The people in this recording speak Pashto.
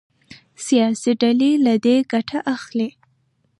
سياسي ډلې له دې ګټه اخلي.